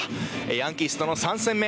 ヤンキースとの３戦目。